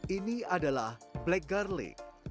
ini adalah black garlic